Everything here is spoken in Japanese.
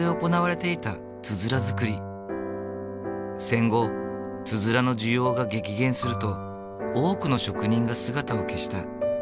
戦後つづらの需要が激減すると多くの職人が姿を消した。